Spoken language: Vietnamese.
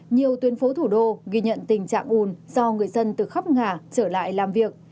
nhiều tuyến phố thủ đô ghi nhận tình trạng ùn do người dân từ khắp ngà trở lại làm việc